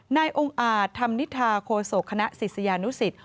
นายองค์อาจธรรมนิษฐาโคศกคณะศิษยานุสิต